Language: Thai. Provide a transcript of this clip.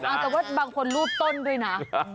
แต่ว่าบางคนลูบต้นด้วยนะ